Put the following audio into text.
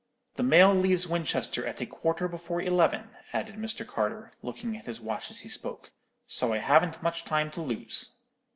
The mail leaves Winchester at a quarter before eleven,' added Mr. Carter, looking at his watch as he spoke; 'so I haven't much time to lose.'